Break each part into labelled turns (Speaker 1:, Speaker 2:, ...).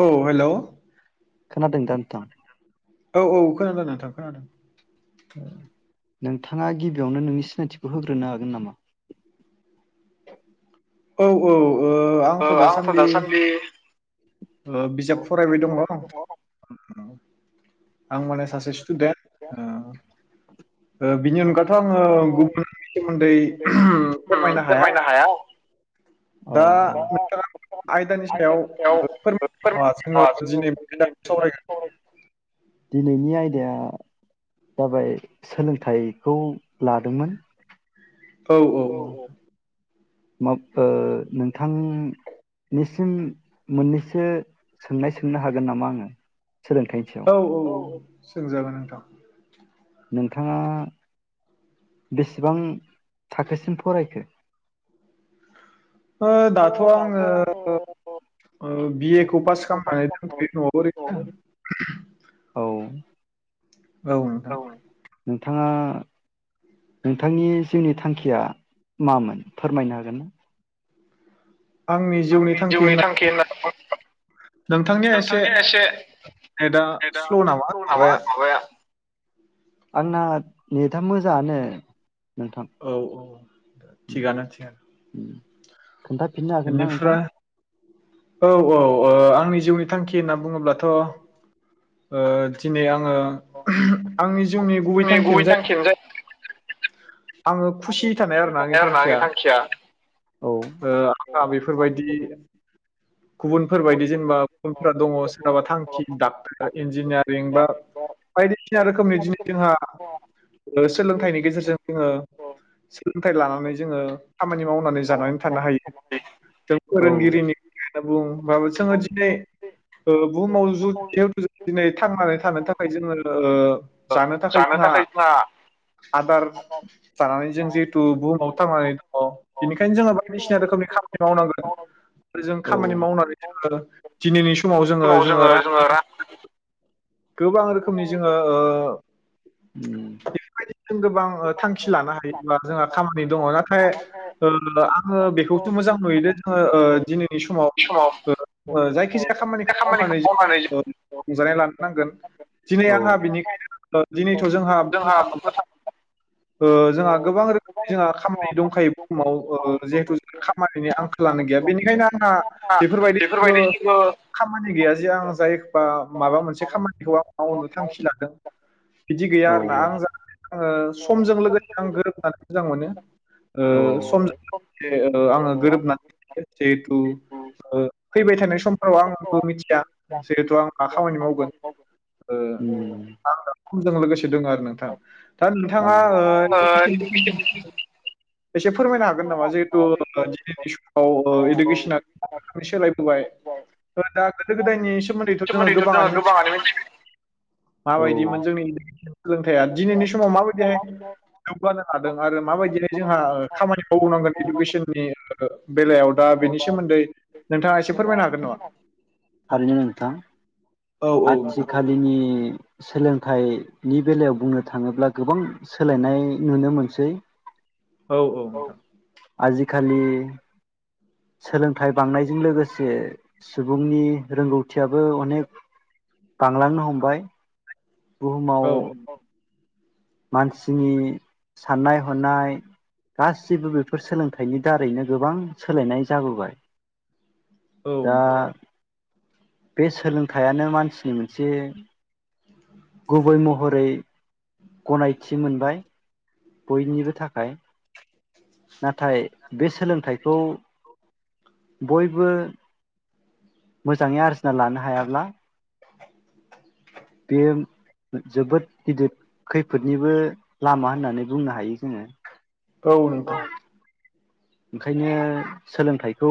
Speaker 1: औ हेलौ। औ औ खोनादों नोंथां खोनादों।
Speaker 2: नोंथाङा गिबियावनो नोंनि सिनायथिखौ होग्रोनो हागोन नामा?
Speaker 1: औ औ ओ आंथ' दासान्दि ओ बिजाब फरायबाय दङ। आं माने सासे स्टुदेन्ट ओ। ओ बिनि अनगाद थ' आङो गुबुननि सोमोन्दै फोरमायनो हाया। दा नोंथाङा आयदानि सायाव ओ। [inaudible]
Speaker 2: दिनैनि आयदाया जाबाय सोलोंथाइखौ लादोंमोन।
Speaker 1: औ औ औ।
Speaker 2: [unintelligible] नोंथांनिसिम मोननैसो सोंनाय सोंनो हागोन नामा आङो? सोलोंथाइनि सायाव।
Speaker 1: सोंजागोन नोंथां।
Speaker 2: नोंथाङा बेसेबां थाखोसिम फरायखो?
Speaker 1: दाथ' आङो ओ बिए खौ पास खालामनानै दोनथ'यो न'आव ओरैनो। औ नोंथां।
Speaker 2: नोंथाङा नोंथांनि जिउनि थांखिया मामोन फोरमायनो हागोन ना? आंनि जिउनि थांखि होननानै नोंथांनिया एसे नेतआ स्ल नामा माबाया आंना नेथा मोजाङानो।
Speaker 1: औ औ। थिगानो थिगानो।
Speaker 2: खोन्थाफिननो हागोन ना नोंथां?
Speaker 1: औ औ ओ आंनि जिउनि थांखि होनना बुङोब्लाथ'ओ दिनै आं आङो आंनि जिउनि गुबै थांखियानो जाहैबाय
Speaker 2: आङो [unintelligible] थानाय आरो ना आंनि थांखिया -
Speaker 1: ओ आंहा बेफोरबायदि गुबुनफोरबायदि जेनेबा गुबुनफोरा दङ सोरहाबा थांखि डाक्टार इन्जिनियारिं बा बायदिसिना रोखोमनि दि जोंहा ओ सोलोंथाइनि गेजेरजों जोङो [inaudible] सोलोंथाइ लानानै जोङो खामानि मावनो [unintelligible] थानो हायो जों फोरोंगिरिनि [unintelligible] बुं [unintelligible] दिनै थांनानै थानो थाखाय जोङो जानो थाखाय जोंहा जानानै जों जिहेतु बुहुमाव थांनानै दङ बेनिखायनो जोङो बायदिसिना रोखोमनि खामानि मावनांगोन जों खामानि मावनानै जोङो दिनैनि सम
Speaker 2: समाव जोङो जोङो
Speaker 1: गोबां रोखोमनि जोङो ओ बेफोरबायदि जों गोबां थांखि लानो हायोब्ला जोंहा खामानि दङ नाथाय ओ आं बेखौथ' मोजां नुयोदे जोङो, ओ दिनैनि समाव ओ जायखि जाया खामानिखौ मावनानै ज रंजानाय लानो नांगोन दिनै आंहा बिनिखायनो दिनैथ' जोंहा बुंनो थाङोब्ला ओ जोंहा गोबां रोखोमनि जोंहा खामानि दंखायो बुहुमाव ओ जिहेथु जोंहा खामानिनि आंखालानो गैया, बेनिखायनो आंहा बेफोरबायदि जेबो खामानि गैया जे आं जायबा माबा मोनसे खामानिखौ आं मावनो थांखि लादों। बिदि गैया आरोना आं जा [unintelligible] समजों लोगोसे आं गोरोबानो मोजां मोनो समजों। आङो गोरोबनानै जिहेथु फैबाय थानाय समफोराव आंबो मिथिया। जिहेथु आं मा खामानि मावगोन आं समजों लोगोसे दङ आरो नोंथां दा थांङा [unintelligible] [unintelligible] हागोन नामा जिहेथु दिनिनि समाव इडुकेसना [unintelligible] सोलायबोबाय दा गोदो गोदायनि सोमोन्दैथ' जोङो गोबाङानो मिथिगो माबायदिमोन जोंनि सोलोंथाइया दिनैनि समाव माबायदिहाय जौगानो लादों? आरो माबायदिहाय जोंहा खामानि बुंनांगोन इडुकेसननि बेलायाव दा बेनि सोमोन्दै नोंथाङा एसे फोरमायनो हागोन नामा?
Speaker 2: आथिखालिनि सोलोंथाइनि बेलायाव बुंनो थाङोब्ला गोबां सोलायनाय नुनो मोनसै
Speaker 1: औ औ नोंथां।
Speaker 2: आजिखालि सोलोंथाइ बांनायजों लोगोसे सुबुंनि रोंगौथि खाथियाबो अनेख बांलांनो हमबाय। बुहुमाव मानसिनि साननाय हनाय गासिबो बेफोर सोलोंथाइनि दारैनो गोबां सोलायनाय जाबोबाय। दा बे सोलोंथाइयानो मानसिनि मोनसे गुबै महरै गनायथि मोनबाय। बयनिबो थाखाय। नाथाय बे सोलोंथाइखौ बयबो मोजाङै आरजि ना लानो हायाब्ला [inaudible] बेयो जोबोद गिदिर खैफोदनिबो लामा होननानै बुंनो हायो जोङो।
Speaker 1: औ नोंथां
Speaker 2: ओंखायनो सोलोंथाइखौ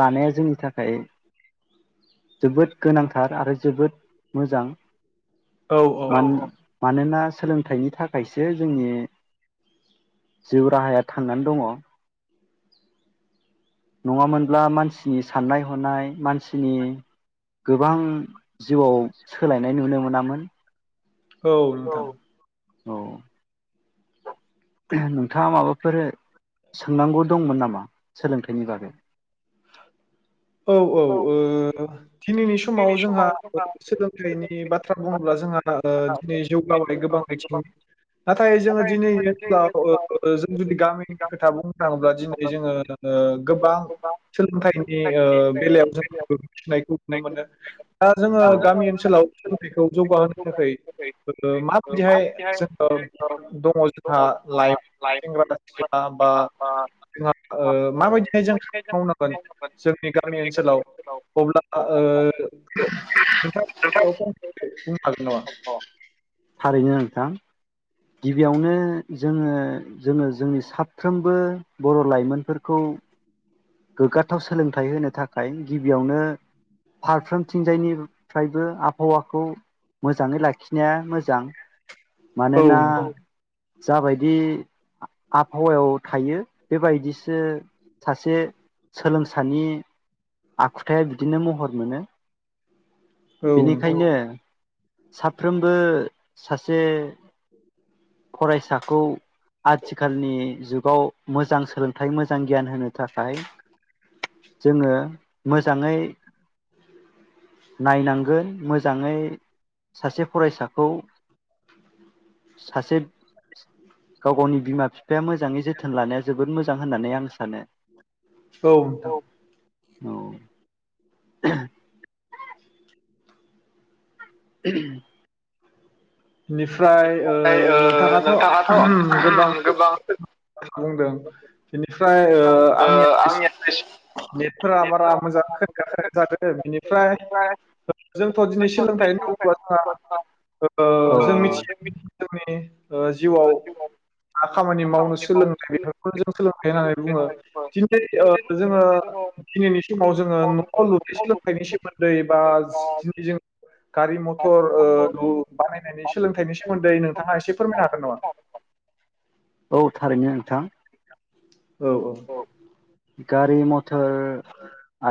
Speaker 2: लानाया जोंनि थाखाय जोबोद गोनांथार आरो जोबोद मोजां। मान मानोना सोलोंथाइनि थाखायसो जोंनि जिउ राहाया थांनानै दङ। नङामोनब्ला मानसिनि साननाय हनाय मान सिनि गोबां जिउआव सोलायनाय नुनो मोनामोन औ। औ। नोंथाङा माबाफोर सोंनांगौ दंमोन नामा सोलोंथायनि बागै।
Speaker 1: औ‌ औ ओ दिनैनि स समाव जोंहा सोलोंथाइनि बाथ्रा बुङोब्ला जोंहा ओ दिनै जौगाबाय गोबां बिथिंनि नाथाय जोङो दिनैनि ओनसोलाव ओ जों जुदि गामिनि खोथा बुंनो थाङोब्ला दिनै जोङो ओ गोबां सोलोंथाइनि। ओ बेलायाव [unintelligible] नुनो मोनो ओ जोङो गामि ओनसोलाव सोलोंथाइखौ जौगाहोनो थाखाय ओ माबायदिहाय जों दङ जोंहा लाइमोन सेंग्रा सिख्ला बा ओ जोंहा ओ माबायदिहाय जों [unintelligible] मावनांगोन। जोंनि गामि ओनसोलाव अब्ला। ओ नोंथां [unintelligible] फंसे बुंनो हागोन नामा।
Speaker 2: गिबियावनो। जोङो जोङो जोंनि साफ्रोमबो बर' लाइमोनफोरखौ गोग्गाथाव सोलोंथाइ होनो थाखाय गिबियावनो फारफ्रोमथिंजायनिफ्रायबो आबहावाखौ मोजाङै लाखिनाया मोजां।
Speaker 1: औ नोंथां।
Speaker 2: जाबायदि आबहावायाव थायो बेबायदिसो सासे सोलोंसानि आखुथाया बिदिनो महर मोनो। बेनिखायनो। साफ्रोमबो सासे। फरायसाखौ आथिखालनि जुगाव मोजां सोलोंथाइ मोजां गियान होनो थाखाय जोङो मोजाङै नायनांगोन मोजाङै सासे फरायसाखौ। सासे गाव गावनि बिमा बिफाया मोजाङै जोथोन लानाया जोबोद मोजां होननानै आं सानो।
Speaker 1: औ नोंथां।
Speaker 2: औ [inaudible] [inaudible]
Speaker 1: बेनिफ्राय ओ नोंथाङाथ' ओमहोम गोबां बुंदों बेनिफ्राय ओ आंनिया इसे नेटफोरा बारा मोजां खोनाया जादों बिनिफ्राय जोंथ' दिनै सोलोंथाइ नांगौ जोंहा।
Speaker 2: [unintelligible]
Speaker 1: [inaudible] [unintelligible] नायनानै सोलोंथनि सोमोन्दै नोंथाङा एसे फोर
Speaker 2: [unintelligible] औ थारैनो नोंथां। औ गारि मथर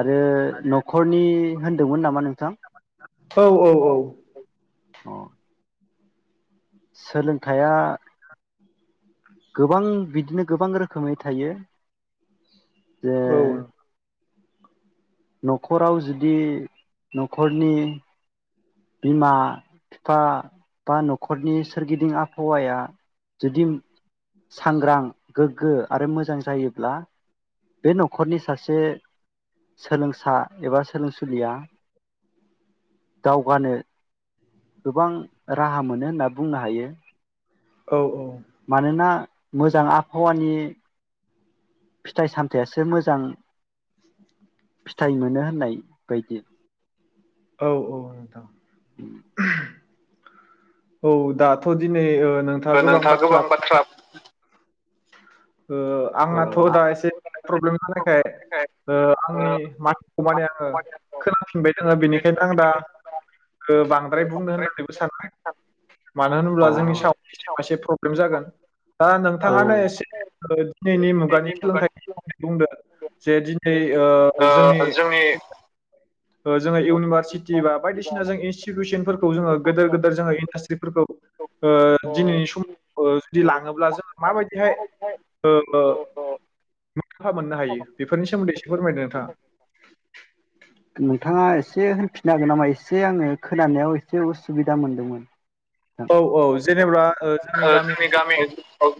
Speaker 2: आरो न'खरनि होनदोंमोन नामा नोंथां औ। सोलोंथाइया गोबां बिदिनो गोबां रोखोमै थायो। जे न'खराव जुदि न'खरनि बिमा फिफा बा न'खरनि सोरगिदिं आभावाया जुदि सांग्रां गोग्गो आरो मोजां जायोब्ला बे न'खरनि सासे सोलोंसा एबा सोलोंसुलिया दावगानो गोबां राहा मोनो होनना बुंनो हायो।
Speaker 1: औ औ
Speaker 2: मानोना मोजां आभावानि फिथाइ साम थायासो मोजां फिथाइ मोनो होननाय बायदि।
Speaker 1: औ औ नोंथां [unintelligible] औ दाथ' दिनै ओ नोंथाङा गोबां बाथ्रा ओ आंनाथ' दा एसे प्रब्लेम जानायखाय ओ आंनि [unintelligible] माने आङो खोनाफिनबाय [unintelligible] बिनिखायनो आं दा ओ बांद्राय बुंनो होननानैबो [unintelligible] मानो होनोब्ला जोंनि [unintelligible] रंजागोन दा नोंथाङानो एसे [unintelligible] [unintelligible] मुगानि सोलोंथाइनि [unintelligible] बुंदो जे दिनै ओ जोंनि [inaudible] ओ जोङो इउनिभारसिटि बा बायदिसिना जों इनस्टिटिउसनफोरखौ जोङो गेदेर गेदेर जोङो इन्डास्ट्रिफोरखौ ओ दिनैनि [unintelligible] ओ जुदि लाङोब्ला जोङो माबायदिहाय ओ [unintelligible] मोननो हायो बेफोरनि सोमोन्दै एसे फोरमायदों नोंथाङा।
Speaker 2: नोंथाङा एसे होनफिननो हागोन नामा एसे आङो खोनानायाव एसे उसुबिदा मोनदोंमोन।
Speaker 1: औ औ [unintelligible]
Speaker 2: [unintelligible] जोंनि गामि ओनसोलफ्राव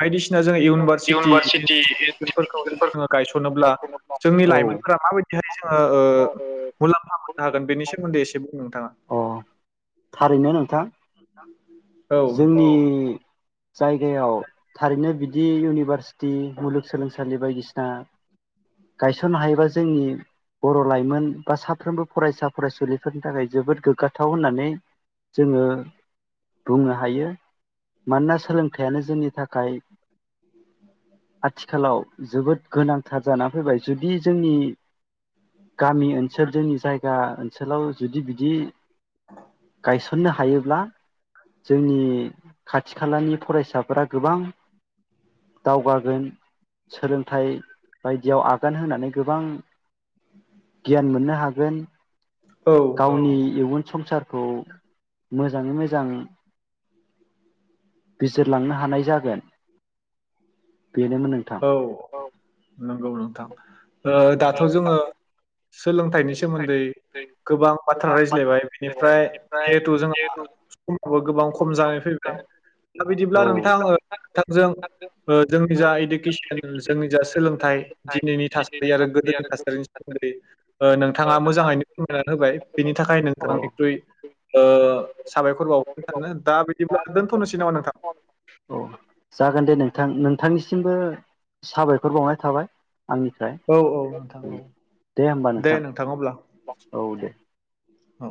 Speaker 1: बायदिसिना जोङो इउनिभारसिटि इनस्टिटिउसनफोरखौ जोङो गायस'नोब्ला। [unintelligible] जोंनि लाइमोनफोरा माबायदि हाय जोङो मुलाम्फा मोननो हागोन बेनि सोमोन्दै एसे बुं नोंथाङा।
Speaker 2: थारैनो नोंथां।
Speaker 1: [inaudible]
Speaker 2: जोंनि जायगायाव। थारैनो बिदि इउनिभारसिटि मुलुगसोलोंसालि बायदिसिना बायदिसिना गायसननो हायोबा जोंनि बर' लाइमोन बा साफ्रोमबो फरायसा फरायसुलिफोरनि थाखाय जोबोद गोग्गाथाव होननानै जोङो। बुंनो हायो मानोना सोलोंथाइयानो जोंनि थाखाय आथिखालाव जोबोद गोनां। थार जानानै फैबाय। जुदि जोंनि गामि ओनसोल जोंनि जायगा ओनसोलाव जुदि बिदि गायसननो हायोब्ला जोंनि खाथि खालानि फरायसाफोरा गोबां दावगागोन सोलोंथाइ बायदियाव आगान होनानै गोबां गियान मोननो हागोन गावनि इयुन संसार खौ मोजां मोजांङै बिजिरलांनो हानाय जागोन। बेनोमोन नोंथां औ।
Speaker 1: नंगौ नोंथां। ओ दाथ' जोङो सोलोंथाइनि सोमोन्दै गोबां बाथ्रा रायज्लायबाय बेनिफ्राय जिहेथु जोंहा समाबो गोबां खम जानाय फैबाय दा बिदिब्ला नोंथां नोंथांजों जोंनि जा इदि जोंनि जा सोलोंथाइ दिनैनि थासारि आरो गोदोनि थासारिनि सोमोन्दै ओ नोंथाङा मोजाङैनो फोरमायना होबाय बेनि थाखाय नोंथांनिख्रुइ साबायखर बावनो सानो दा बिदिब्ला दोनथ'नोसै नामा नोंथां?
Speaker 2: नोंथांनिसिमबो साबायखर बावनाय थाबाय।
Speaker 1: औ औ नोंथां औ दे नोंथ थां अब्ला। औ।